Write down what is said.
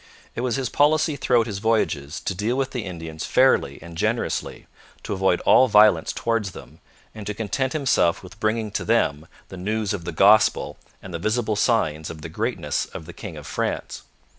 It was his policy throughout his voyages to deal with the Indians fairly and generously, to avoid all violence towards them, and to content himself with bringing to them the news of the Gospel and the visible signs of the greatness of the king of France.